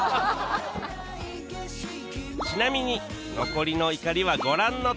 ちなみに残りの怒りはご覧のとおり